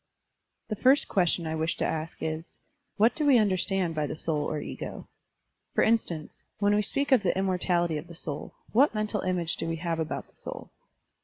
The first question I wish to ask is: "What do we tmderstand by the soul or ego?*' For instance, when we speak of the immortality of the soul, what mental image do we have about the soul?